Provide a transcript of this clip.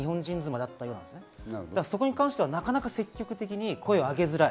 だからそこに関してはなかなか積極的に声を上げづらい。